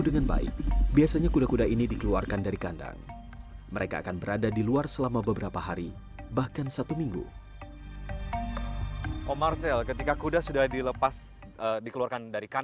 sedikit demi sedikit kini mulai tersisihkan oleh banyaknya kuda persilangan